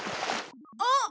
あっ。